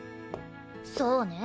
そうね。